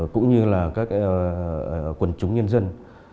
cũng như là các quần chúng nhân dân